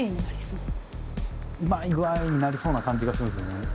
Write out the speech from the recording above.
うまい具合になりそうな感じがするんすよね。